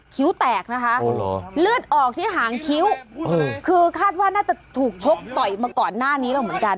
คิ้วแตกนะคะเลือดออกที่หางคิ้วคือคาดว่าน่าจะถูกชกต่อยมาก่อนหน้านี้แล้วเหมือนกัน